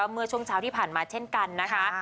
เมื่อช่วงเช้าที่ผ่านมาเช่นกันนะคะ